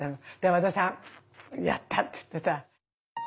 和田さん「やった！」って言ってさ。